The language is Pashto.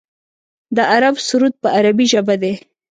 د عرب سرود په عربۍ ژبه دی.